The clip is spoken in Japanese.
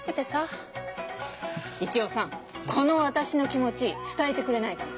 一葉さんこの私の気持ち伝えてくれないかな。